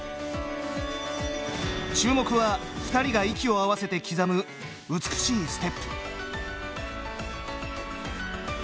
注目は２人が息を合わせて刻む美しいステップ。